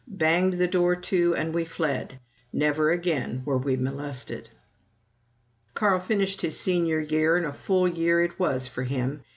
banged the door to, and we fled. Never again were we molested. Carl finished his Senior year, and a full year it was for him.